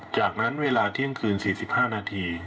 จากนั้นเวลาเที่ยงคืน๔๕นาที